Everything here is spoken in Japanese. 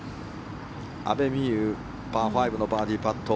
阿部未悠パー５のバーディーパット。